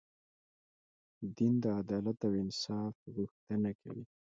دین د عدالت او انصاف غوښتنه کوي.